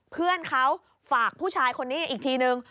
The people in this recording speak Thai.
เพื่อนเขาฝากผู้ชายคนนี้อีกทีนึง